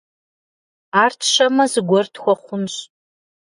Ар тщэмэ, зыгуэр тхуэхъунщ.